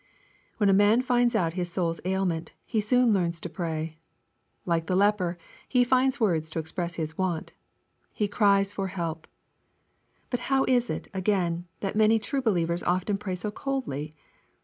When a man finds out his soul's ailment, he soon learns to pray. Like the Jeper, he finds words to express his want. He cries for help. How is it, again, that many true believers often pray so coldly